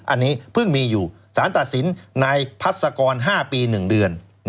อันนี้เพิ่งมีอยู่สารตัดสินนายพัศกร๕ปี๑เดือน